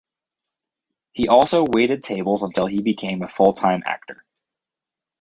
He also waited tables until he became a full-time actor.